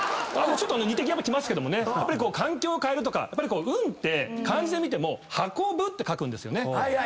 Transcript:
ちょっと似てきますけどもね環境を変えるとか運って漢字で見ても運ぶって書くんですよね。